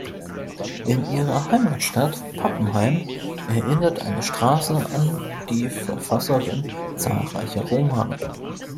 In ihrer Heimatstadt Pappenheim erinnert eine Straße an die Verfasserin zahlreicher Romane.